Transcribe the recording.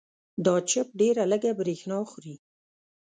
دا چپ ډېره لږه برېښنا خوري.